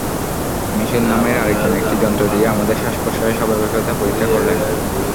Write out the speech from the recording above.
মিশেল নামের আরেকজন একটি যন্ত্র দিয়ে আমাদের শ্বাস-প্রশ্বাসের স্বাভাবিকতা পরীক্ষা করলেন।